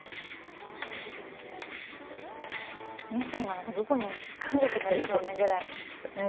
メセンがどこにあるか分かんなくなりそうなぐらいなじんでる。